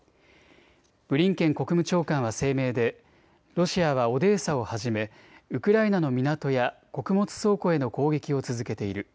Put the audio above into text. ブリンケン国務長官は声明でロシアはオデーサをはじめウクライナの港や穀物倉庫への攻撃を続けている。